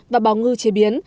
và bào ngư chế biến